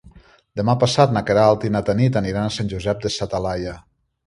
Demà passat na Queralt i na Tanit aniran a Sant Josep de sa Talaia.